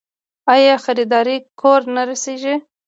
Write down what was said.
آیا خریداري کور ته رسیږي؟